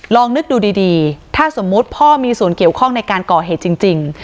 ลองนึกดูดีถ้าสมมุติพ่อมีส่วนเกี่ยวข้องในการก่อเหตุจริง